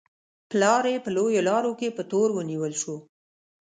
پلار یې په لویو لارو کې په تور ونیول شو.